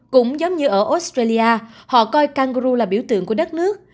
cũng giống như ở australia họ coi kangu là biểu tượng của đất nước